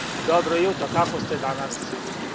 Добро јутро, како сте данас?